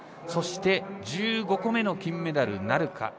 そして１５個目の金メダルなるか。